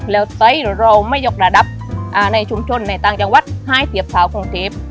แล้วใจเราไม่ยกระดับในชุมชนในต่างจังหวัดให้เสียเฉาคลุ่งเทพ